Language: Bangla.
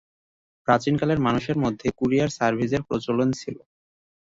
প্রাচীনকালের মানুষের মাঝে কুরিয়ার সার্ভিসের প্রচলন ছিল।